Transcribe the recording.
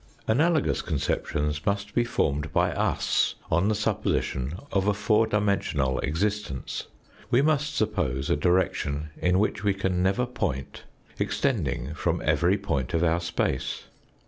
Analogous conceptions must be formed by us on the supposition of a four dimensional existence. We must suppose a direction in which we can never point extending from every point of our space.